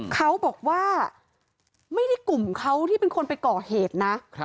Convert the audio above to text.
เขาบอกว่าไม่ได้กลุ่มเขาที่เป็นคนไปก่อเหตุนะ